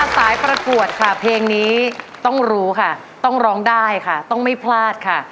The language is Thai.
สายประกวดค่ะเพลงนี้ต้องรู้ค่ะต้องร้องได้ค่ะต้องไม่พลาดค่ะ